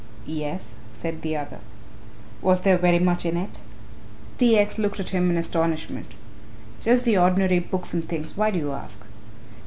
"Yes," said the other. "Was there very much in it?" T. X. looked at him in astonishment. "Just the ordinary books and things. Why do you ask?"